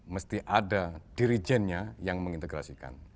mesti ada dirijennya yang mengintegrasikan